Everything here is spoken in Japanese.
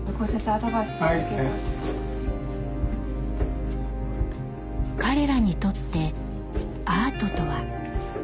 彼らにとって「アート」とは。